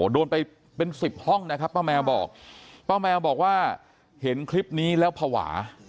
โดนไปเป็นสิบห้องนะครับป้าแมวบอกป้าแมวบอกว่าเห็นคลิปนี้แล้วภาวะ